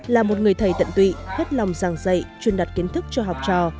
là một người thầy tận tụy hết lòng giảng dạy truyền đặt kiến thức cho học trò